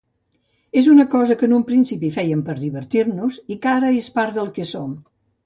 És una cosa que en un principi fèiem per divertir-nos i que ara és part del que som.